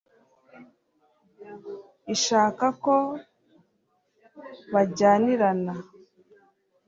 ishaka ko bajyanirana